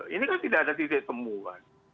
ini kan tidak ada titik temuan